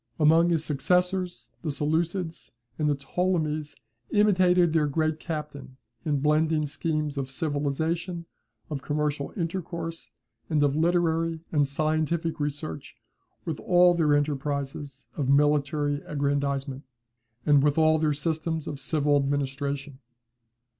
Among his successors, the Seleucids and the Ptolemies imitated their great captain in blending schemes of civilization, of commercial intercourse, and of literary and scientific research with all their enterprises of military aggrandizement, and with all their systems of civil administration.